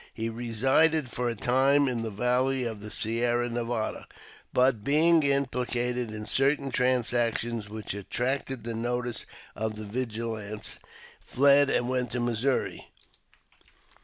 He resided for a time in the valley of the Sierra Nevada, but being im plicated in certain transactions which attracted the notice of the vigilants, fled and went to Missouri.